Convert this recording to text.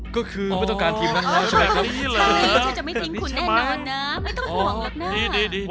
ก็คือไม่ต้องการทีมนั้นเลยใช่ไหมครับอ๋อใช่เลยฉันจะไม่ทิ้งคุณแน่นอนนะไม่ต้องห่วงหรอกนะ